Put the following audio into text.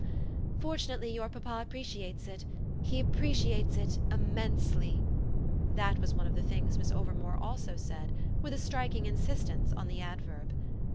"Fortunately your papa appreciates it; he appreciates it IMMENSELY" that was one of the things Miss Overmore also said, with a striking insistence on the adverb.